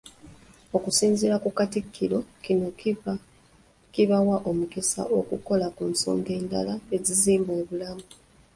Okusinziira ku Katikkiro, kino kibawa omukisa okukola ku nsonga endala ezizimba obulamu.